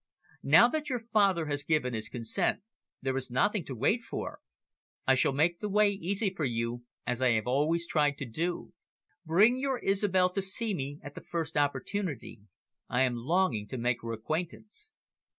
"Now that your father has given his consent, there is nothing to wait for. I shall make the way easy for you, as I have always tried to do. Bring your Isobel to see me at the first opportunity. I am longing to make her acquaintance."